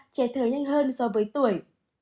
ba trẻ thở nhanh hơn so với tuổi